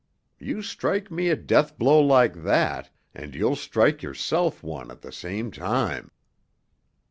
You strike me a deathblow like that—and you'll strike yourself one at the same time."